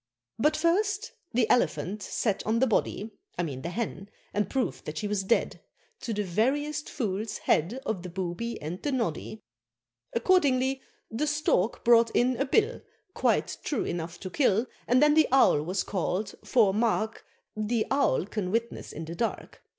But first the Elephant sat on the body I mean the Hen and proved that she was dead, To the veriest fool's head Of the Booby and the Noddy. Accordingly, the Stork brought in a bill Quite true enough to kill, And then the Owl was call'd, for, mark, The Owl can witness in the dark.